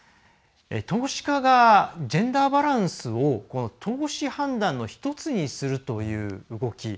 投資家がジェンダーバランスを投資判断の１つにするという動き。